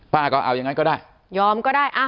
ป้าก็เอายังไงก็ได้ยอมก็ได้